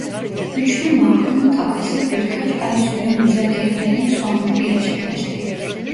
Üçlü mahkûm takası birkaç ay süren müzakerelerin sonucu gerçekleşti.